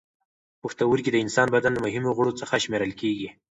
پښتورګي د انساني بدن له مهمو غړو څخه شمېرل کېږي.